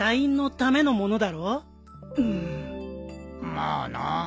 まあな。